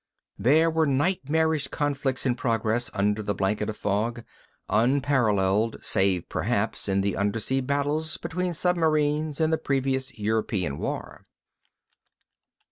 There were nightmarish conflicts in progress under the blanket of fog, unparalleled save perhaps in the undersea battles between submarines in the previous European war.